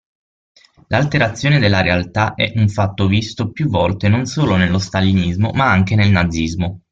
L'alterazione della realtà è un fatto visto più volte non solo nello stalinismo ma anche nel nazismo.